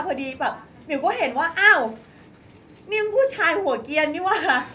พอดีแบบมิวก็เห็นว่าอ้าวนี่มันผู้ชายหัวเกียรนี่ว่ะ